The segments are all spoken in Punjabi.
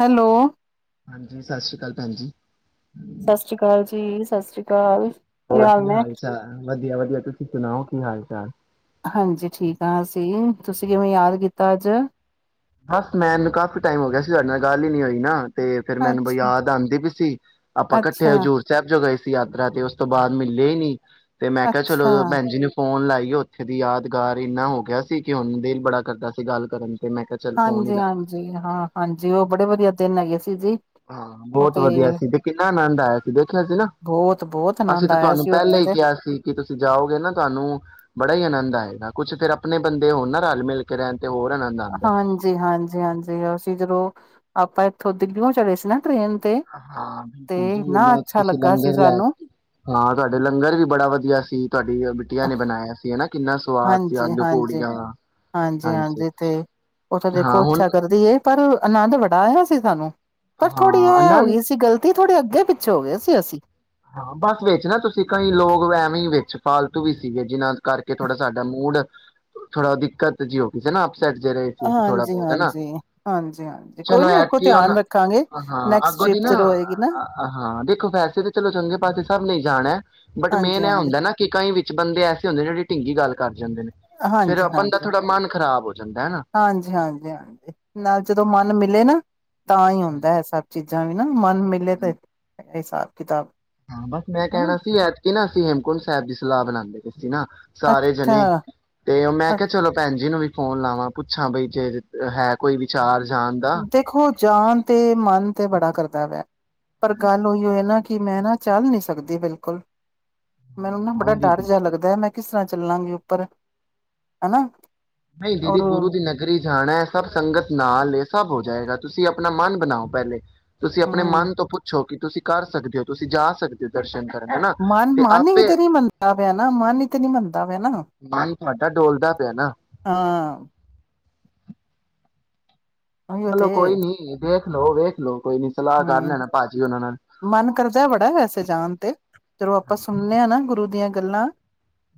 ਹੈਲੋ ਹਾਂਜੀ, ਸਤਿ ਸ੍ਰੀ ਅਕਾਲ ਭੈਣ ਜੀ। ਸਤਿ ਸ਼੍ਰੀ ਅਕਾਲ ਜੀ, ਸਤਿ ਸ੍ਰੀ ਅਕਾਲ। ਹੋਰ ਕੀ ਹਾਲ ਚਾਲ ਵਧੀਆ-ਵਧੀਆ ਤੁਸੀਂ ਸੁਣਾਓ ਕੀ ਹਾਲ ਚਾਲ। ਦੀ, ਤੁਸੀਂ ਕਿਵੇਂ ਯਾਦ ਕੀਤਾ ਅੱਜ? ਬਸ ਮੈਨੂੰ ਕਾਫ਼ੀ ਟਾਈਮ ਹੋ ਗਿਆ ਸੀ ਤੁਹਾਡੇ ਨਾਲ ਗੱਲ ਹੀ ਨੀ ਹੋਈ ਨਾ। ਤੇ ਫੇਰ ਮੈਨੂੰ ਬੜ੍ਹੀ ਅੱਛਾ, ਯਾਦਆਂਦੀ ਪਈ ਸੀ, ਆਪਾਂ ਇਕੱਠੇ ਅੱਛਾ, ਹਜ਼ੂਰ ਸਾਹਿਬ ਜੋ ਗਏ ਸੀ। ਤੀਰਥ ਯਾਤਰਾ ਤੇ ਉਸ ਤੋਂ ਬਾਅਦ ਮਿੱਲੇ ਹੀ ਨੀ। ਤੇ ਮੈਂ ਕਿਹਾ, ਅੱਛਾ। ਚਲੋੋਂ ਭੈਣਜੀ ਨੂੰ ਫੋਨ ਲਾਈ ਉੱਥੇ ਦੀ ਯਾਦਗਾਰ, ਇੰਨਾ ਹੋ ਗਿਆ ਸੀ ਕਿ ਹੁਣ ਦਿਲ ਬੜਾ ਕਰਦਾ ਸੀ ਗੱਲ ਕਰਨ ਤੇ ਮੈਂ ਕਿਹਾ ਚੱਲ ਫੋਨ ਹੀ ਲਾ ਲਾ। ਹਾਂਜੀ-ਹਾਂਜੀ, ਹਾਂ ਹਾਂਜੀ ਉਹ ਬੜੇ ਵਧੀਆ ਦਿਨ ਹੈਗੇ ਸੀ। ਜੀ। ਹਾਂ, ਉਹ ਬਹੁਤ ਤੇ ਵਧੀਆ ਸੀ ਤੇ ਕਿੰਨਾ ਆਨੰਦ ਆਇਆ ਸੀ ਦੇਖਿਆ ਸੀ ਨਾ, ਬਹੁਤ-ਬਹੁਤ ਅਸੀਂ ਆਨੰਦ ਤੇ ਆਇਆ ਤੁਹਾਨੂੰ ਸੀ ਪਹਿਲੇ ਉੱਥੇ ਹੀ ਤੇ, ਕਿਹਾ ਸੀ ਕਿ ਤੁਸੀਂ ਜਾਓਗੇ ਨਾ ਤੁਹਾਨੂੰ ਬੜਾ ਹੀ ਆਨੰਦ ਆਏਗਾ। ਕੁਛ ਫਿਰ ਆਪਨੇ ਬੰਦੇ ਹੋਨਨਾ, ਰਲ-ਮਿਲ ਕੇ ਰਹਿਨ। ਹਾਂਜੀ-ਹਾਂਜੀ-ਹਾਂਜੀ, ਅਸੀਂ ਜਦੋ ਆਪਾਂ, ਇੱਥੋਂ ਦਿੱਲੀਓ ਚਢੇ ਸੀ ਨਾ ਟ੍ਰੇਨ। ਤੇ, ਹਾਂ ਤੇ ਬਿਲਕੁਲ ਜੀ, ਇੰਨਾ ਇਹਨਾਂ ਅੱਛਾ ਤੁਸੀਂ ਲੱਗਾ ਸੀ ਲੰਗਰ ਸਾਨੂੰ। ਲੈਕੇ, ਤੁਹਾਡੇ ਲੰਗਰ ਵੀ ਬੜਾ ਵਧੀਆ ਸੀ ਤੁਹਾਡੀ ਬਿਟਿਆ ਨੇ ਬਣਾਇਆ ਸੀ ਹੈਨਾ। ਹਾਂਜੀ ਹਾਂਜੀ-ਹਾਂਜੀ-ਹਾਂਜੀ-ਹਾਂਜੀ, ਤੇ ਉਹਥੇ ਹਾਂ ਦੇਖੋ ਹੁਣ ਇੱਛਾ ਕਰਦੀ ਹੈ ਪਰ ਆਨੰਦ ਬੜਾ ਆਇਆ ਸੀ ਸਾਹਨੂੰ। ਪਰ ਥੋੜ੍ਹੀ ਹਾਂ ਇਹ ਨਾ ਹੋ ਗਈ ਸੀ ਗਲਤੀ ਥੋੜੀ ਅੱਗੇ ਪਿੱਛ ਸੋਂ ਹੋ ਗਏ ਸੀ ਅਸੀ। ਹਾਂ, ਬਸ ਵਿੱਚ ਨਾ ਤੁਸੀਂ ਕਈ ਲੋਗ, ਵੇਹਮੀਂ ਵਿੱਚ ਫਾਲਤੂ ਵੀ ਸੀਗੇ ਜਿਹਨਾਂ ਦ ਕਰਕੇ ਥੋੜ੍ਹਾ ਸਾਡਾ ਮੂਡ ਥੋੜਾ ਦਿੱਕਤ ਜਿਹੀ ਹੋ ਗਈ ਸੀ ਨਾ ਅਪ ਸੇਟ ਜਿਹੜੇ ਸੀ ਥੋੜਾ ਬਹੁਤ ਹੈਨਾ, ਹਾਂਜੀ-ਹਾਂਜੀ, ਹਾਂਜੀ-ਹਾਂਜੀ ਕੋਈ ਚਲੋ ਨੀ ਅੱਗੋਂ ਐਤਕੀ ਹੁਨ ਧਿਆਨ ਰੱਖਾਂਗੇ। ਅਆਂ ਨੈਕਸਟ ਅੱਗੋਂ ਟ੍ਰਿਪ ਦੀ ਨਾ ਜਦੋਂ ਆ ਹੋਏਗੀ ਨਾ ਅ ਅ ਹਾਂ ਦੇਖੋ ਵੈਸੇ ਤੇ ਚੰਗੇ ਪਾਸੇ ਸਭ ਨੇਂ ਹੀ ਜਾਣਾ ਹੈ। ਬਟ, ਮੇਨ ਇਹ ਹਾਂਜੀ-ਹਾਂਜੀ, ਹੁੰਦਾ ਹੈ ਨਾ ਕਿ ਕਈ ਵਿ ਚ ਬੰਦੇ ਐਸੇ ਹੁੰਦੇ, ਜਿਹੜੀ ਢਿੰਗੀ ਗੱਲ ਕਰ ਜਾਂਦੇ ਨੇ ਫੇਰ ਆਪਨ ਦਾ ਥੋੜਾ ਮਨ ਖ਼ਰਾਬ ਹੋ ਜਾਂਦਾ ਹਨਾ ਹਾਂਜੀ-ਹਾਂਜੀ-ਹਾਂਜੀ-ਹਾਂਜੀ-ਹਾਂਜੀ, ਨਾਲ ਜਦੋਂ ਮਨ ਮਿਲੇ ਨਾ ਤਾਂ ਹੀ ਹੁੰਦਾ ਹੈ, ਸਭ ਚੀਜ਼। [unintelligible] ਮਨ ਮਿਲੇ ਤੇ ਹਿਸਾਬ ਕਿਤਾਬ, ਹਾਂ ਬਸ ਮੈਂ ਹਨਾ ਕਹਿਣਾ ਸੀ, ਐਤਕਿ ਨਾ ਅਸੀਂ ਹੇਮਕੁੰਟ ਸਾਹਿਬ ਜ ਸਲਾਹ ਬਣਾਦੇ। ਨਾ ਸਾਰੇ ਜਣੇ ਅੱਛਾ ਤੇ ਮੈਂ ਕਿਹਾ ਚਲੋ ਭੈਣ ਜੀ ਨੂੰ ਵੀ। ਫੋਨ ਲਾਵਾਂ ਪੁੱਛਾਂ ਬਈ ਜੇ ਹੈ, ਕੋਈ ਵਿਚਾਰ। ਜਾਣ ਦਾ। ਦੇਖੋ ਜਾਨ ਤੇ ਮਨ ਤੇ ਬੜਾ ਕਰਦਾ ਪਿਆ। ਪਰ ਗੱਲ ਓਇਓ ਐ ਨਾ। ਕਿ ਮੈਂ ਨਾ ਚੱਲ ਨਹੀਂ ਸਕਦੀ ਬਿਲਕੁਲ ਮੈਨੂੰ ਨਾ ਹਾਂ ਬੜਾ ਇਹ ਵੀ ਡਰ ਬਿਲਕੁਲ ਜਿਹਾ ਲੱਗਦਾ ਹੈ ਮੈਂ ਕਿਸ ਤਰ੍ਹਾਂ ਚੱਲਾਂਗੇ ਉੱਪਰ ਹਨਾ। ਨਹੀਂ ਦੀਦੀ ਔਰ ਗੁਰੂ ਦੀ ਨਗਰੀ ਜਾਣਾ ਹੈ ਸਭ ਸੰਗਤ ਨਾਲ ਸਭ ਹੋ ਜਾਏਗਾ ਤੁਸੀਂ ਆਪਣਾ ਮਨ ਬਣਾਓ ਪਹਿਲੇ। ਤੁਸੀਂ ਆਪਣੇ ਹਮ ਮਨ ਤੋਂ ਪੁੱਛੋ ਕਿ ਤੁਸੀਂ ਕਰ ਸਕਦੇ ਓ ਤੁਸੀਂ ਜਾ ਸਕਦੇ ਓ ਦਰਸ਼ਨ ਕਰਨ। ਹਨਾ ਮਨ ਤੇ ਮਨ ਹੀ ਆਪੇ ਤੇ ਨੀ ਮੰਨਦਾ ਪਿਆ ਨਾ ਮਨ ਹੀ ਤੇ ਨੀ ਮੰਨਦਾ। ਪਿਆ ਨਾ ਮਨ ਤੁਹਾਡਾ ਡੋਲਦਾ ਪਿਆ ਨਾ। ਹਾਂ ਚਲੋ ਕੋਈ ਨੀ ਵੇਖ। ਲੋ ਵੇਖ ਲੋ। ਹੂੰ ਮਨ ਕਰਦਾ ਬੜਾ ਵੈਸੇ ਜਾਣ ਤੇ ਜਦੋਂ ਆਪਾਂ ਸੁਣਦੇ ਹਾਂ ਨਾ ਗੁਰੂ ਦੀਆਂ ਗੱਲਾਂ,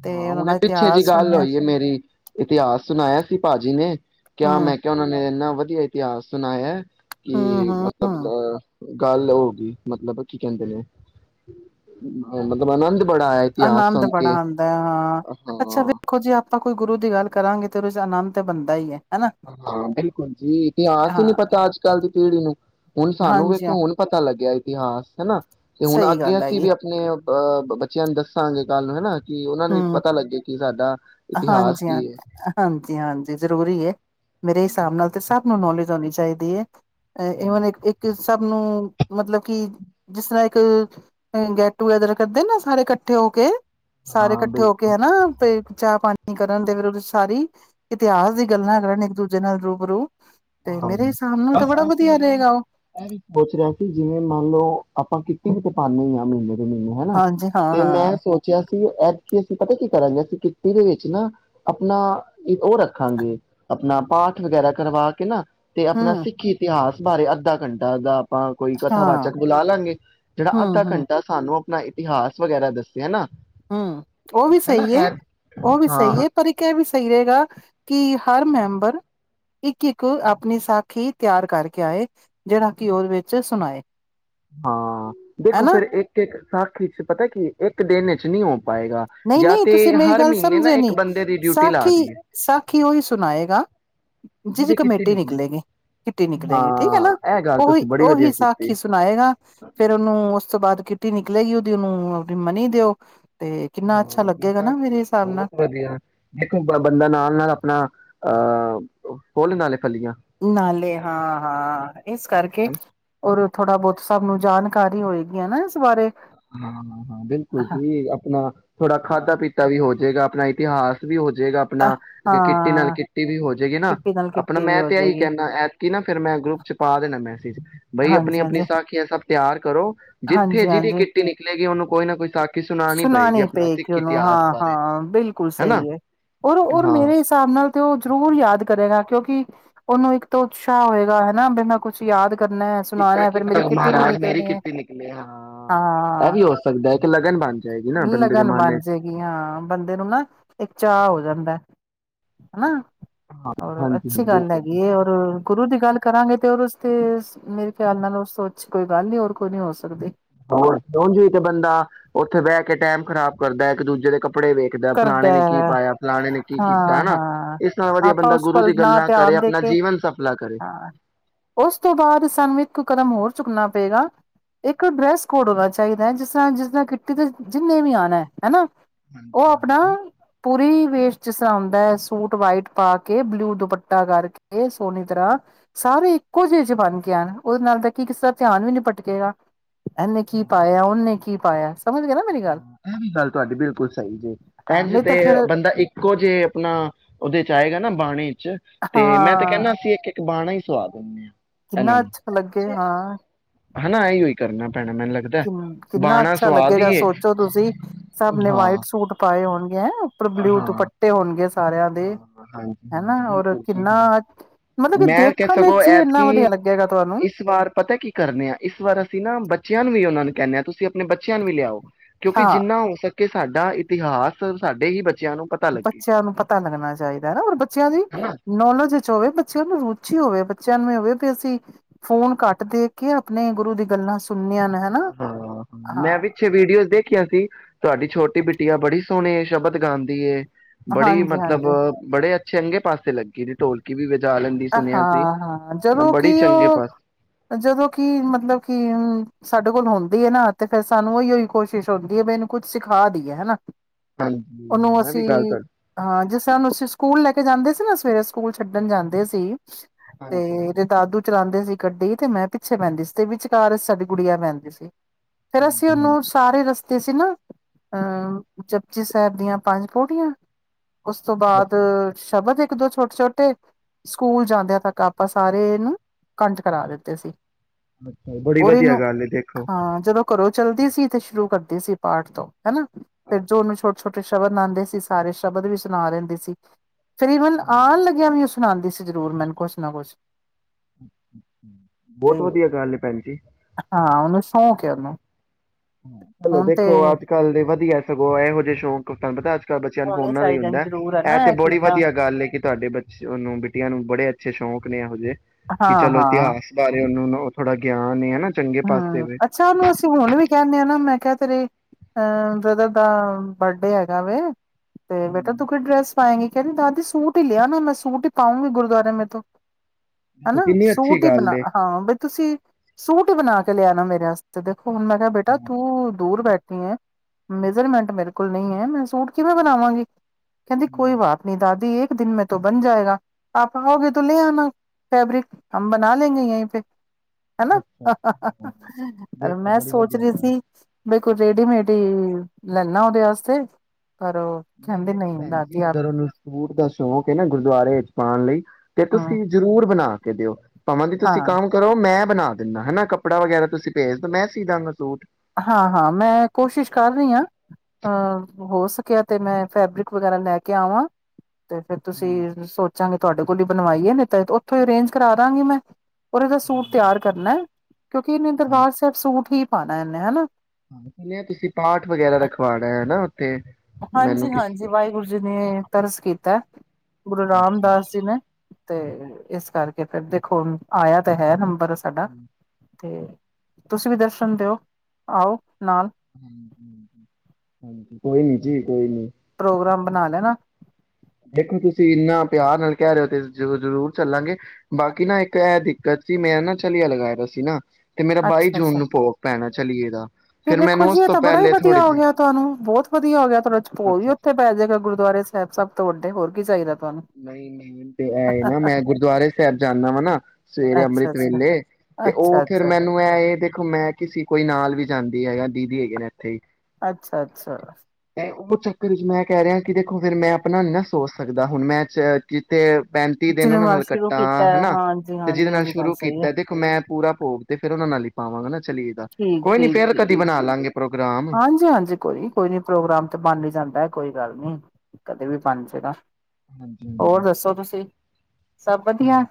ਤੇ ਹਾਂ ਉਹਨਾਂ ਹੁਣੇ ਦਾ ਪਿੱਛੇ ਜਿਹੀ ਇਤਿਹਾਸ ਗੱਲ ਸੁਣਨੇ ਆ ਹੋਈ ਹੈ, ਮੇਰੀ ਇਤਿਹਾਸ ਸੁਣਾਇਆ ਸੀ, ਭਾਜੀ ਨੇ ਕਿਆ ਹਮ ਮੈਂ ਕਿਹਾ ਉਹਨਾਂ ਨੇ ਇਹਨਾਂ। ਵਧੀਆ ਇਤਿਹਾਸ ਸੁਣਾਇਆ। ਕੀ ਹਮ ਮਤਲਬ ਹਮ ਅ ਗੱਲ ਹੋ ਗਈ ਮਤਲਬ ਕੀ ਕਹਿੰਦੇ ਨੇ ਮਤਲਬ ਆਨੰਦ ਬੜਾ ਆਇਆ ਇਤਿਹਾਸ ਆਨੰਦ ਬੜਾ ਸੁਣਕੇ। ਆਉਂਦਾ ਹੈ। ਹਾਂ ਅੱਛਾ, ਵੇਖੋ ਜੇ ਆਪਾਂ ਕੋਈ। ਗੁਰੂ ਦੀ ਗੱਲ ਕਰਾਂਗੇ, ਤੇ ਰੋਜਾਨਾ ਆਨੰਦ ਤੇ ਬਣਦਾ ਹੀ ਹੈ। ਹਨਾ ਹਾਂ, ਬਿਲਕੁਲ ਜੀ ਇਤਿਹਾਸ ਹੀ ਹਾਂ ਨੀ ਪਤਾ ਅੱਜ ਕੱਲ ਦੀ ਕਿੜੀ ਨੂੰ, ਹੁਣ ਸਾਨੂੰ ਹਾਂਜੀ ਹਾਂ ਵੇਖੋ ਹੁਣ ਪਤਾ ਲੱਗਿਆ ਐ। ਤਿਹਾਸ ਹਨਾ। ਤੇ ਹੁਣ ਸਹੀ ਅੱਗੇ ਗੱਲ ਅਸੀਂ ਹੈਗੀ ਵੀ ਆਪਣੇ ਅ ਬੱਚਿਆਂ ਨੂੰ ਦੱਸਾਂਗੇ ਕੱਲ ਹਨਾ। ਕਿ ਉਹਨਾਂ ਨੂੰ ਵੀ ਹਮ ਪਤਾ ਲੱਗੇ ਕਿ ਸਾਡਾ ਇਤਿਹਾਸ ਹਾਂਜੀ ਹਾਂ ਕੀ ਹੈ। ਹਾਂਜੀ ਹਾਂਜੀ ਜ਼ਰੂਰੀ ਹੈ ਮੇਰੇ ਹਿਸਾਬ ਨਾਲ ਤੇ ਸਭ ਨੂੰ ਨੌਲੇਜ ਹੋਣੀ ਚਾਹੀਦੀ ਹੈ। ਅ ਇਹ ਮੈਨੂੰ ਇੱਕ ਸਭ ਨੂੰ ਮਤਲਬ ਕਿ ਜਿਸ ਤਰ੍ਹਾਂ ਇੱਕ ਗੈਟ ਟੂਗੈਦਰ ਕਰਦੇ ਨਾ ਸਾਰੇ ਇਕੱਠੇ ਹੋ ਕੇ। ਸਾਰੇ ਹਾਂ ਇਕੱਠੇ ਹੋ ਕੇ ਬਿਲਕੁਲ ਹਨਾ ਤੇ ਚਾਹ ਪਾਣੀ ਕਰਨ ਦੇ ਵਿਰੁੱਧ ਸਾਰੀ ਇਤਿਹਾਸ ਦੀ ਗੱਲ ਨਾ ਕਰਨ ਇੱਕ ਦੂਜੇ ਨਾਲ ਰੂਬਰੂ ਤੇ ਹਾਂ ਮੇਰੇ ਹਿਸਾਬ ਨਾਲ ਤਾਂ ਬਸ ਬੜਾ ਇਹੀ ਵਧੀਆ ਰਹੇਗਾ ਉਹ ਮੈਂ ਵੀ ਸੋਚ ਰਿਹਾ ਸੀ ਜਿਵੇਂ ਮੰਨ ਲਓ ਆਪਾਂ [inaudible] ਮੈਨੂੰ ਹਨਾ, ਹਾਂਜੀ ਹਾਂ ਤੇ ਮੈਂ ਹਾਂ ਸੋਚਿਆ ਐਤਕੀ ਅਸੀਂ ਪਤਾ ਕੀ ਕਰਾਂਗੇ ਅਸੀਂ ਕਿਟੀ ਦੇ ਵਿੱਚ ਨਾ ਆਪਣਾ ਉਹ ਰੱਖਾਂਗੇ ਆਪਣਾ ਪਾਠ ਵਗੈਰਾ ਕਰਵਾ ਕਿ ਨਾ ਤੇ ਆਪਣਾ ਹਮ ਸਿੱਖੀ ਇਤਿਹਾਸ ਬਾਰੇ ਅੱਧਾ ਘੰਟਾ ਦਾ ਆਪਾਂ ਕੋਈ ਕਥਾ ਹਾਂ ਵਾਚਕ ਬੁਲਾ ਲਾਂਗੇ ਜਿਹੜਾ ਅੱਧਾ ਹਮ ਹਮ ਘੰਟਾ ਸਾਨੂੰ ਆਪਣਾ ਇਤਿਹਾਸ ਵਗੈਰਾ ਦੱਸਿਆ ਨਾ। ਹਮ ਉਹ ਵੀ ਸਹੀ ਹੈ ਉਹ ਵੀ ਸਹੀ ਹਾਂ ਹੈ ਪਰ ਇੱਕ ਇਹ ਵੀ ਸਹੀ ਰਹੇਗਾ ਕਿ ਹਰ ਮੈਂਬਰ ਇੱਕ ਇੱਕ ਆਪਣੀ ਸਾਖੀ ਤਿਆਰ ਕਰਕੇ ਆਏ, ਜਿਹੜਾ ਕਿ ਉਹਦੇ ਵਿੱਚ ਸੁਣਾਏ। ਹਾਂ ਦੇਖੋ ਹਨਾ ਫਿਰ ਇੱਕ ਇੱਕ ਸਾਖੀ ਚ ਪਤਾ ਕੀ ਇੱਕ ਦਿਨ ਚ ਨਹੀਂ ਹੋ ਪਾਏਗਾ ਨਹੀਂ ਜਾਂ ਨਹੀਂ ਤੇ ਤੁਸੀਂ ਮੇਰੀ ਹਰ ਗੱਲ ਮਹੀਨੇ ਨਾ ਸਮਝੇ ਇੱਕ ਨਹੀਂ ਬੰਦੇ ਦੀ ਡਿਊਟੀ ਲਾ ਸਾਖੀ ਦੀਏ ਸਾਖੀ ਉਹੀ ਸੁਣਾਏਗਾ। ਜਿਹਦੀ ਜਿਹਦੇ ਕਿੱਟੇ ਕਮੇਟੀ ਨਿਕਲੇ ਨਿਕਲੇਗੀ ਕਿਟੀ ਨਿਕਲੇਗੀ ਠੀਕ ਹੈ ਨਾ ਹਾਂ ਇਹ ਗੱਲ ਉਹੀ ਤੁਸੀਂ ਬੜੀ ਵਧੀਆ ਉਹੀ ਕੀਤੀ। ਸਾਖੀ ਸੁਣਾਏਗਾ ਫੇਰ ਉਹਨੂੰ ਉਸ ਤੋਂ ਬਾਅਦ ਕਿ ਕਿਟੀ ਨਿਕਲੇਗੀ ਉਹਦੀ ਉਹਨੂੰ ਆਪਣੀ ਮਨੀ ਦਿਓ ਤੇ ਕਿੰਨਾ ਹਾਂ ਅੱਛਾ ਲੱਗੇਗਾ ਆਪਣਾ ਨਾ ਮੇਰੇ ਹਿਸਾਬ ਨਾਲ ਬਹੁਤ ਵਧੀਆ ਦੇਖੋ ਬੰਦਾ ਨਾਲ ਨਾਲ ਆਪਣਾ ਅਹ ਫੁੱਲ ਨਾਲ ਨਾਲੇ ਹਾਂ ਹਾਂ ਇਸ ਕਰਕੇ ਹਾਂ ਔਰ ਥੋੜਾ ਬਹੁਤ ਸਭ ਨੂੰ ਜਾਣਕਾਰੀ ਹੋਏਗੀ ਹਨਾ। ਇਸ ਬਾਰੇ ਹਾਂ ਹਾਂ ਹਾਂ ਬਿਲਕੁਲ ਜੀ ਆਪਣਾ ਥੋੜਾ ਖਾਧਾ ਪੀਤਾ ਵੀ ਹੋਜੇਗਾ। ਆਪਣਾ ਇਤਿਹਾਸ ਵੀ ਹੋ ਜੇਗਾ ਆਪਣਾ ਕਿੱਟੀ ਨਾਲ ਹਾਂ ਕਿੱਟੀ ਵੀ ਹੋ ਜਾਏਗੀ ਨਾ ਕਿੱਟੀ ਨਾਲ ਆਪਣਾ ਕਿੱਟੀ ਵੀ ਮੈਂ ਹੋ ਤੇ ਇਹੀ ਜਾਏਗੀ ਕਹਿੰਦਾ ਐਤਕੀ ਨਾ ਫਿਰ ਮੈਂ ਗਰੁੱਪ ਛਪਾ ਦੇਣਾ ਮੈਸੇਜ। ਬਈ ਆਪਣੀ ਆਪਣੀ ਸਾਖੀਆਂ ਸਭ ਤਿਆਰ ਕਰੋ। ਹਾਂਜੀ-ਹਾਂਜੀ। ਕਿਟੀ ਨਿਕਲੇਗੀ, ਉਹਨੂੰ ਕੋਈ ਨਾ ਕੋਈ ਸਾਖੀ ਸੁਣਾਣੀ ਆਪਣਾ ਪਏਗੀ ਸਿੱਖ ਉਹਨੂੰ ਇਤਿਹਾਸ ਬਾਰੇ ਹਾਂ-ਹਾਂ ਬਿਲਕੁਲ ਹਨਾ ਸਹੀ ਹੈ, ਔਰ-ਔਰ ਹਾਂ। ਮੇਰੇ ਹਿਸਾਬ ਨਾਲ ਤੇ ਉਹ ਜ਼ਰੂਰ ਯਾਦ ਕਰੇਗਾ ਕਿਉਂਕ ਕੀ, ਉਹਨੂੰ ਇੱਕ ਤਾਂ ਉਤਸ਼ਾਹ ਹੋਏਗਾ, ਹੈਨਾ ਬੰਦਾ ਕੁੱਛ ਯਾਦ ਕਰਨਾ ਹੈ ਸੁਣਾਣਾ ਕਿਦਾ ਹੈ ਕੀ ਫਿਰ ਮੇਰੀ ਪਤਾ, ਕਿੱਟੀ ਵੀ ਮਹਾਰਾਜ ਮੇਰੀ ਨਿਕਲਦੀ ਹੈ ਕਿੱਟੀ ਨਿਕਲੇ। ਹਾਂ, ਇਹ ਵੀ ਹੋ ਸਕਦਾ ਕਿ ਲਗਨ ਬਣ ਜਾਏਗੀ ਨਾ ਬੰਦੇ ਦੇ ਲੱਗਣ ਮਨ ਬਣ ਚ ਜਾਏਗੀ, ਬੰਦੇ ਨੂੰ ਨਾ ਇਕ ਚਾ ਹੋ ਜਾਂਦਾ ਹੈ। ਹੈਣਾ। ਹੋਰ ਹਾਂਜੀ-ਹਾਂਜੀ ਅੱਛੀ, ਗੱਲ ਬਿਲਕੁਲ। ਹੈਗੀ ਐ, ਔਰ ਗੁਰੂ ਦੀ ਗੱਲ ਕਰਾਂਗੇ ਤੇ ਤੇ ਮੇਰੇ ਖਿਆਲ ਨਾਲ ਉਸ ਤੋਂ ਅਛੀ, ਕੋਈ ਗੱਲ ਨਹੀਂ ਹੋ ਸਕਦੀ। ਹੋਰ, ਹੰਝੂ ਵੀ ਤੇ ਬੰਦਾ, ਉੱਥੇ ਬੈਕੇ ਟਾਈਮ ਖਰਾਬ ਕਰਦਾ ਹੈ, ਇੱਕ ਦੂਜੇ ਦੇ ਕੱਪ ਕਰਦਾ ਹੈ। ਨੇ ਕੀ ਕੀਤਾ ਹਨਾ। ਹਾਂ-ਹਾਂ ਇਸ ਨਾਲ ਵਧੀਆ ਆਪਾਂ ਬੰਦਾ ਉਸ ਗੁਰੂ ਪਲ ਦੀ ਨਾ ਗੱਲਾਂ ਕਰੇ ਧਿਆਨ ਦੇ ਆਪਣਾ ਕੇ, ਜੀਵਨ ਸਫਲਾ ਕਰੇ ਹਾਂ ਉਸ ਤੋਂ ਬਾਅਦ ਸਾਨੂੰ ਇੱਕ ਕਦਮ ਹੋਰ ਚੁੱਕਣਾ ਪਏਗਾ, ਇਕ ਡਰੈਸ ਕੋਡ ਹੋਣਾ ਚਾਹੀਦਾ ਹੈ, ਜਿਸ ਤਰਾਂ-ਜਿਸ ਤਰਾਂ ਕੀਟੀ ਤੇ ਜਿੰਨੇ ਵੀ ਆਣਾ ਹੈ ਹੈਨਾ। ਉਹ ਆਪਣਾ ਪੂਰੀ ਵੇਸ ਜਿਸ ਤਰ੍ਹਾਂ ਹੁੰਂਦਾ ਹੈ, ਸੂਟ ਵਾਈਟ ਪਾ ਕੇ, ਬਲੂ ਦੁਪੱਟਾ ਕਰਕੇ ਸੋਹਣੀ ਤਰ੍ਹਾਂ ਸਾਰੇ ਇੱਕੋ ਜਿਹੇ ਬਣ ਕੇ ਆਣ, ਉਹਦੇ ਨਾਲ ਦਾ ਦੇਖਿ ਕੀ ਕਿਸੇ ਦਾ ਧਿਆਨ ਵੀ ਨੀ ਭਟਕੇਗ। ਏਹਨੇ ਕੀ ਪਾਇਆ, ਓਹਨੇ ਕੀ ਪਾਇਆ। ਸਮਝ ਗਏ ਨਾ ਮੇਰੀ ਗੱਲ ਹਾਂ, ਏਹ ਵੀ ਗੱਲ ਤੁਹਾਡੀ ਬਿਲਕੁਲ ਸਹ ਸਹੀ ਜੇ, ਹਾਂ ਏੰਝ ਨਹੀਂ ਤੇ ਫਿਰ ਬੰਦਾ ਇੱਕੋ ਜੇ ਆਪਣਾ ਉਹਦੇ ਚ ਆਏਗਾ। ਨਾ, ਬਾਣੀ ਚ ਤੇ ਮੈਂ ਤੇ ਹਾਂ ਕਹਿੰਦਾ ਸੀ, ਇੱਕ ਇੱਕ ਬਾੜੀ ਸੁਵਾ ਦੇ ਨੇ। ਇਹਨਾਂ ਕਿੰਨਾ ਨੂੰ ਅੱਛਾ ਲੱਗੇ ਹਾਂ ਹੈਨਾ ਇਹੀਓ ਹੀ ਕਰਨੈ। ਪੈਣਾ ਮੈਨੂੰ ਲਗਦਾ, ਕਿ ਕਿੰਨਾ ਬਾਣਾ ਅੱਛਾ ਸਵਾ ਲੱਗੇਗਾ ਦਿਏ। ਸੋਚੋ ਤੁਸੀਂ, ਸਭ ਨੇ ਵਾਈਟ ਸੂਟ ਪਾਏ ਹੋਣਗੇ। ਹੈਂ। ਉੱਪਰ ਬਲੂ ਦੁਪੱਟੇ ਹੋਣਗੇ। ਸਾਰਿਆਂ ਦੇ ਹਾਂ-ਹਾਂ, ਹਨਾ ਹਾਂਜੀ-ਹਾਂਜੀ, ਔਰ ਬਿਲਕੁਲ ਜੀ ਕਿੰਨਾ ਹਾਂ। ਮਤਲਬ ਕਿ ਮੈਂ ਕਿਆ ਦੇਖਣ ਸਗੋਂ, ਵਿੱਚ ਹੀ ਇੰਨਾ ਐਤਕੀ ਵਧੀਆ ਲੱਗੇਗਾ ਤੁਹਾਨੂੰ ਇਸ ਵਾਰ ਪਤਾ ਕੀ ਕਰਨੇ ਆ, ਇਸ ਵਾਰ ਅਸੀਂ ਨਾ ਬੱਚਿਆਂ ਨੂੰ ਵੀ ਉਹਨਾਂ ਨੂੰ ਕਹਿੰਦੇ ਆ, ਤੁਸੀਂ ਆਪਣੇ ਬੱਚਿਆਂ ਨੂੰ ਵੀ ਲਿਆੳ। ਕਿਉਂਕਿ ਹਾਂ ਜਿੰਨਾ ਹੋ ਸਕੇ ਸਾਡਾ ਇਤਿਹਾਸ, ਸਾਡੇ ਹੀ ਬੱਚ ਬੱਚਿਆਂ ਨੂੰ ਪਤਾ ਲੱਗੇ। ਤਾ ਲੱਗਨਾ ਚਾਈਦੈ ਹੈ ਨਾ ਹੋਰ ਬੱਚਿਆਂ ਦੀ ਹਨਾ ਨੌਲਜ ਵਿੱਚ ਹੋਵੇ ਬੱਚਿਆਂ ਨੂੰ ਰੁਚੀ ਹੋਵੇ, ਬੱਚ ਵੀ ਅਸੀਂ ਫੋਨ ਘੱਟ ਤੇ ਕੇ ਆਪਣੇ ਗੁਰੂ ਦੀ ਗੱਲਾਂ ਸੁਣਨੀਆਂ ਨੇ ਅ ਹਨਾ ਹਾਂ ਮੈਂ ਹਾਂ ਪਿੱਛੇ ਵੀਡੀਓਜ਼ ਦੇਖੀਆਂ ਸੀ ਤੁਹਾਡੀ ਛੋਟੀ ਬਿੱਟੀਆ ਬੜੀ ਸੋਹਣੇ ਸ਼ਬਦ ਗਾਂਦੀ ਏ। ਬੜੀ ਹਾਂਜੀ ਮਤਲਬ ਹਾਂਜੀ ਬੜੇ ਚੰਗੇ ਪਾਸੇ ਲੱਗੀ ਦੀ ਢੋਲਕੀ ਵੀ ਵ ਅ ਹਾਂ-ਹਾਂ ਜਦੋਂ ਬੜੀ ਕਿ ਚੰਗੇ ਪਾਸ ਉਹ ਜਦੋਂ ਕੀ ਮਤਲਬ ਕਿ ਸਾਡੇ ਦੇ ਕੋਲ ਹੋਂਦੀ ਏ ਨਾ ਤੇ ਫੇਰ ਸਾਨੂੰ ਉਹੀਔ ਈ ਕੋਸ਼ਿਸ਼ ਹੁੰਦੀ ਏ ਬਈ ਇਹਨੂੰ ਕੁੱਛ ਸਿਖਾ ਦਈਏ ਹੈਨਾ। ਹਾਂਜੀ ਉਹਨੂੰ ਹਾਂ ਇਹ ਅਸੀਂ ਵੀ ਗੱਲ ਤੁਹਾਡੀ ਹਾਂ ਜਿਸ ਤਰ੍ਹਾਂ ਉਹਨੂੰ ਅਸੀ ਸਕੂਲ ਲੈ ਕੇ ਜਾਂਦੇ ਸ ਤੂੰ ਸੁਵੇਰੇ ਸਕੂਲ ਛੱਡਣ ਜਾਂਦੇ ਸ ਹੰ ਤੇ ਹਾਂਜੀ ਓਹਦੇ ਦਾਦੂ ਚਲਾਂਦੇ ਸੀ ਗੱਡੀ ਤੇ ਮੈਂ ਪਿੱਛੇ ਬੈਂਦੀ ਸੀ ਤੇ ਵਿਚਕਾਰ ਸਾਡੀ ਗੁੜੀਆ ਬੈਂਦੀ ਸੀ। ਫੇਰ ਅਸੀਂ ਉਹਨੂੰ ਸਾਰੇ ਰਸ ਤੇ ਅਸੀ ਨਾ ਅਹ ਜਪਜੀ ਸਾਹਿਬ ਦੀਆਂ ਪੰਜ ਪੌੜੀਆਂ ਉਸ ਤੋਂ ਬਾਅਦ ਸ਼ਬਦ ਇੱਕ ਦੋ ਛੋਟੇ-ਛੋਟੇ ਸਕੂਲ ਜਾਂਦਿਆਂ ਤੱਕ ਆਪਾਂ ਸਾਰੇ ਇਹਨੂੰ ਕੰਠ ਕਰਾ ਦਿੱਤੇ ਸੀ। ਬੜੀ ਵਧੀਆ ਗੱਲ ਏ, ਦੇਖੋ। ਚੱਲਦੀ ਸੀ ਤੇ ਸ਼ੁਰੂ ਕਰਦੀ ਸੀ ਪਾਠ ਤੋਂ, ਹੈਨਾ। ਫਿਰ ਜੋ ਉਹਨੂੰ ਛੋਟੇ-ਛੋਟੇ ਸ਼ਬਦ ਨਾਂਦੇ ਸੀ ਸਾਰੇ ਸ਼ਬਦ ਵੀ ਸੁਣਾ ਦੇਂਦੀ ਸੀ। ਫਿਰ ਇਹ ਵਲ ਆਲ ਲੱਗਿਆ ਵੀ ਉਸ ਸੁਣਾਉਂਦੀ ਸੀ ਜ਼ਰੂਰ ਮੈਨੂੰ ਕੁਛ ਨਾ ਕੁਛ ਬਹੁਤ ਵਧੀਆ ਗੱਲ ਹੈ ਭੈਣ ਜੀ। ਦਾ ਸ਼ੌਕ ਹੈ ਓਹਨੂੰ ਚਲੋ ਦੇਖੋ ਅੱਜ ਕੱਲ ਦੇ ਵਧੀਆ ਸਗੋਂ ਇਹੋ ਜਿਹੇ ਸ਼ੌਂਕ ਤਾਂ ਪਤਾ ਹੈ ਅੱਜ ਤਾਂ ਬੱਚਿਆਂ ਨੂੰ ਹੋਣੇ ਫੋਨਾਂ ਦਾ ਹੀ ਚਾਹੀਦੇ ਨੇ ਹੁੰਦਾ ਜ਼ਰੂਰ ਹੈ ਇਹ ਨਾ ਤੇ ਬੜੀ ਚੀਜ਼ਾਂ ਵਧੀਆ ਗੱਲ ਹੈ ਕਿ ਤੁਹਾਡੇ ਬੱਚੇ ਉਹਨੂੰ ਬਿਟੀਆਂ ਨੂੰ ਬੜੇ ਅੱਛੇ ਸ਼ੌਂਕ ਨੇ ਇਹੋ ਜਿਹੇ ਕਿ ਹਾਂ ਚਲੋ ਹਾਂ ਇਤਿਹਾਸ ਬਾਰੇ ਉਹਨੂੰ ਨੋਂ ਥੋੜਾ ਗਿਆਨ ਈ ਹੈਨਾ। ਹਾਂ, ਅੱਛਾ ਉਹਨੂੰ ਅਸੀਂ ਹੁਣ ਵੀ ਕਹਿੰਨੇ ਆਂ ਨਾ ਮੈਂ ਕਿਆ ਤੇਰੇ ਅਹ ਬ੍ਰਦਰ ਦਾ ਬਰਡੇ ਹੈਗਾ ਵੇ ਤੇ ਬੇਟਾ ਤੂ ਕਿਹੜੀ ਡਰੈਸ ਪਾਏਂਗੀ। ਕੇਂਦ ਦਾਦੀ ਸੂਟ ਈ ਲੇ ਆਣਾ ਮੈਂ ਸੂਟ ਈ ਪਾਊਂਗ ਗੁਰਦੁਆਰੇ ਮੇਂ ਤੋ। ਹਨਾ ਕਿੰਨੀ ਅੱਛੀ ਸੂਟ ਹੀ ਗੱਲ ਬਨਾ ਏ ਹਾਂ ਬਈ ਤੁਸੀਂ ਸੂਟ ਸੂਟ ਬਣਾ ਕੇ ਲਿਆਣਾ ਮੇਰੇ ਵਾਸਤੇ ਦੇਖੋ ਹੁਣ ਮੈਂ ਕਿਹਾ ਬੇਟਾ ਤੂੰ ਦੂਰ ਬੈਠੀ ਆ ਮੇਜਰਮੈਂਟ ਮੇਰੇ ਕੋਲ ਨਹੀਂ ਹੈ ਮੈਂ ਸੂਟ ਕਿਵੇਂ ਬਣਾਵਾਂਗੀ ਕਹਿੰਦੀ ਕੋਈ ਬਾਤ ਨੀ ਦਾਦੀ ਇਹ ਤੋਂ ਦਿਨ ਮੇ ਤੋਂ ਬਣ ਜਾਏਗਾ ਆਪ ਆਓਗੇ ਤੋਂ ਲੇ ਆਣਾ ਫੈਬਰਿਕ ਹਮ ਬਣਾ ਲੇਗੇ ਜਹੀ ਪੇ ਹਨਾ। ਅੱਛਾ ਅੱਛਾ ਪਰ ਦੇਖੋ ਮੈਂ ਬੜੀ ਸੋਚ ਵਧੀਆ ਰਹੀ ਗੱਲ ਸੀ ਦੇਖੋ ਰੇਡੀਮੇਡ ਹੀ ਲੈਣਾ ਉਹਦੇ ਵਾਸਤੇ ਪਰ ਉਹ ਕਹਿੰਦੇ ਵੇਖੋ ਨਹੀਂ ਭੈਣ ਦਾਦੀ ਜੀ ਆਪ ਅਗਰ ਉਹਨੂੰ ਸੂਟ ਦਾ ਸ਼ੌਕ ਹੈ ਨਾ ਗੁਰਦੁਆਰੇ ਵਿੱਚ ਪਾਉਣ ਲਈ ਤੇ ਹਮ ਤੁਸੀਂ ਜ਼ਰੂਰ ਬਣਾ ਕੇ ਦਿਓ। ਭਾਵਾਂ ਕੀ ਤੁਸੀਂ ਹਾਂ, ਕੰਮ ਕਰੋ ਮੈਂ ਬਣਾ ਦਿੰਨਾ ਹਨਾ। ਕੱਪੜਾ ਵਗੈਰਾ ਤੁਸੀਂ ਭੇਜਦੋਂ ਮੈਂ ਸੀਦਾਂਗਾ ਸੂਟ। ਹਾਂ ਹਾਂ, ਮੈਂ ਕੋਸ਼ਿਸ਼ ਕਰ ਰਹੀ ਆ ਹੋ ਸਕਿਆ ਤੇ ਮੈਂ ਫੈਬਰਿਕ ਵਗੈਰਾ ਲੈ ਕੇ ਆਵਾਂ ਤੇ ਫੇਰ ਹਮ, ਤੁਸੀਂ ਸੋ ਚੰਗਾ ਤੁਹਾਡੇ ਕੋਲ ਈ ਬਣਵਾਈਏ ਨਹੀਂ ਤਾਂ ਉੱਥੋ ਅਰੇਂਜ ਕਰਾਦਾਂਗੀ ਮੈਂ। ਔਰ ਅਗਰ ਸੂਟ ਤਿਆਰ ਕਰਨਾ। ਕਿਉਂਕਿ ਇਹਨੇ ਦਰਬਾਰ ਸਾਹਿਬ ਸੂਟ ਹੀ ਨਏ ਨਏ ਹਨਾ। ਨਹੀਂ ਤੁਸੀਂ ਪਾਠ ਵਗੈਰਾ ਰਖਵਾਨਾ ਹਨਾ ਉੱਥੇ ਮੈਨੂੰ ਕਿਸ ਹਾਂਜੀ-ਹਾਂਜੀ ਵਾਹਿਗੁਰੂ ਜੀ ਨੇ ਤਰਸ ਕੀਤਾ ਗੁਰੂ ਅੱਛਾ ਰਾਮਦਾਸ ਅੱਛਾ, ਜੀ ਨੇ ਤੇ ਇਸ ਕਰਕੇ ਫਿਰ ਦੇਖੋ ਆਇਆ ਤਾਂ ਹੈ ਨੰ ਬਤਾ ਸਾਡਾ ਹਾਂ, ਤੇ ਤੁਸੀਂ ਵੀ ਦਰਸ਼ਨ ਦਿਓ ਆਓ ਨਾਲ। ਹਾਂਜੀ ਕੋਈ ਨੀ ਜੀ ਕੋਈ ਨੀ। ਪ੍ਰੋਗਰਾਮ ਬਣਾ ਲੈਣਾ ਦੇਖੋ ਤੁਸੀਂ ਇੰਨਾ ਪਿਆਰ ਨਾਲ ਕਹਿ ਰਹੇ ਹੋ ਜ਼ਰੂਰ ਚੱਲਾਂਗੇ ਬਾਕੀ ਨਾ ਇੱਕ ਇਹ ਦਿੱਕਤ ਸੀ ਮੈਂ ਨਾ ਝੋਨਾ ਲਗਾਏ ਦਾ ਸੀ ਨਾ। ਤੇ ਮੇਰਾ ਬਾਈ ਜੂਨ ਅੱਛਾ-ਅੱਛਾ ਨੂੰ ਭੋਗ ਪੈਣਾ ਚਲੀਏ ਦਾ। ਤੇ ਫਿਰ ਵੇਖੋ ਮੈਨੂੰ ਜੀ ਉਸ ਇਹ ਤੋਂ ਤਾਂ ਬੜਾ ਹੀ ਪਹਿਲੇ ਥੋੜੀ ਵਧੀਆ ਹੋ ਦੇਰ ਗਿਆ ਤੁਹਾਨੂੰ ਬਹੁਤ ਵਧੀਆ ਹੋ ਗਿਆ ਤੁਹਾਡਾ ਭੋਗ ਵੀ ਅੱਛਾ ਅੱਛਾ ਉੱਥੇ ਪੈ ਜਾਏਗਾ ਗੁਰਦੁਆਰੇ ਸਾਹਿਬ ਸਭ ਤੋਂ ਵੱਡੇ ਹੋਰ ਕੀ ਚਾਹੀਦਾ? ਤੁਹਾਨੂੰ ਨਹੀਂ ਨਹੀਂ ਤੇ ਇਹ ਨਾ ਮੈਂ ਗੁਰਦੁਆਰੇ ਸਾਹਿਬ ਜਾਂਦਾ ਵਾ ਨਾ ਸਵੇਰੇ ਅੱਛਾ ਅੰਮ੍ਰਿਤ ਅੱਛਾ ਵੇਲੇ ਤੇ ਉਹ ਅੱਛਾ ਫੇਰ ਅੱਛਾ ਮੈਨੂੰ ਐ ਇਹ ਦੇਖੋ ਮੈਂ ਕਿਸੀ ਕੋਈ ਨਾਲ ਵੀ ਜਾਂਦੀ ਹੈਗਾ ਦੀਦੀ ਹੈਗੇ ਨੇ ਇੱਥੇ ਅੱਛਾ-ਅੱਛਾ, ਉਹ ਚੱਕ ਮੈਂ ਕਹਿ ਰਿਹਾ ਕਿ ਦੇਖੋ ਫੇਰ ਮੈਂ, ਆਪਣਾ ਇੰਨਾ ਸੋਚ ਸਕਦਾ ਹੁਣ ਮੈਂਚ ਕਿੱਥੇ ਹੈ? ਪੈਂਤੀ ਦਿਨ ਜਿਹਨਾਂ ਉਹਨਾਂ ਨਾਲ ਸ਼ੁਰੂ ਕੱਟਾ ਕੀਤਾ ਹੈ, ਹਨਾ। ਹਾਂਜੀ ਤੇ ਜਿਹਦੇ ਹਾਂਜੀ ਇਹ ਨਾਲ ਵੀ ਗੱਲ ਸ਼ੁਰੂ ਸਹੀ ਹੈ ਕੀਤਾ ਦੇਖੋ ਮੈਂ ਪੂਰਾ ਭੋਗ ਤੇ ਫ਼ਿਰ ਉਹਨਾਂ ਨਾਲ ਈ ਪਾਵਾਂਗਾਂ ਨਾ। ਚਲੀਏਦਾ ਕੋਈ ਨੀ ਫੇਰ ਕਦੀ ਬਣਾ ਲਾਂਗੇ ਪ੍ਰੋ ਹਾਂਜੀ-ਹਾਂਜੀ ਕੋਈ ਨੀ ਕੋਈ ਨੀ ਪ੍ਰੋਗਰਾਮ ਤੇ ਬਣ ਹੀ ਜਾਂਦਾ। ਕੋਈ ਗੱਲ ਨੀ ਕਦੇ ਵੀ ਬਣ ਜੇਗਾ। ਹਾਂਜੀ ਹੋਰ ਹਾਂਜੀ ਦੱਸੋ ਤੁਸੀਂ? ਸਭ ਵਧੀਆ? ਹਾਂ,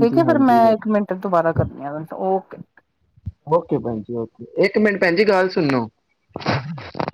ਠੀਕ ਹੈ ਫੇਿਰ ਮੈਂ ਹਾਂਜੀ ਇੱਕ ਮਿੰਟ ਦੁਬਾਰਾ ਕਰਨੀ ਆ ਉਹ ਓਕੇ ਭੈਣ ਓਕੇ ਇੱਕ ਮਿੰਟ ਭੈਣ ਜੀ ਗੱਲ ਸੁਣੋ [inaudible]